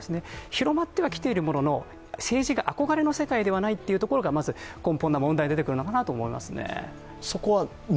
広まってはきているものの、政治が憧れの世界ではないというのがまず根本の問題かなと思いますね。